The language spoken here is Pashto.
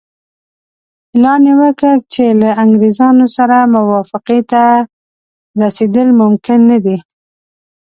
اعلان یې وکړ چې له انګریزانو سره موافقې ته رسېدل ممکن نه دي.